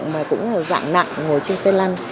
mà cũng dạng nặng ngồi trên xe lăn